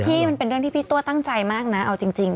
มันเป็นเรื่องที่พี่ตัวตั้งใจมากนะเอาจริง